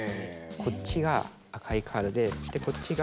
こっちが赤いカードでそしてこっちが。